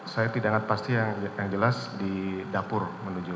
saya tidak ingat pasti yang jelas di dapur menuju